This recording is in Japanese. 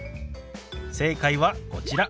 正解はこちら。